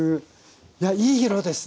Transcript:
いやいい色ですね！